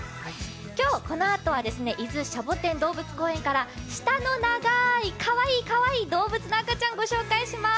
今日、このあとは伊豆シャボテン動物公園から舌のながいかわいいかわいい動物の赤ちゃんをご紹介します。